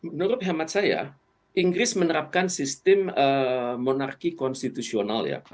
menurut hemat saya inggris menerapkan sistem monarki konstitusional ya